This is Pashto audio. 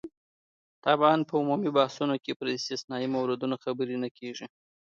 طبعاً په عمومي بحثونو کې پر استثنايي موردونو خبرې نه کېږي.